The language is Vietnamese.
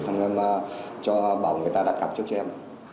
xong em cho bảo người ta đặt gặp trước cho em